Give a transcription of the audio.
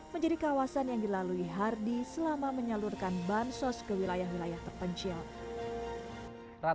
menjadi kawasan yang dilalui hardi selama menyalurkan bansos ke wilayah wilayah terpencil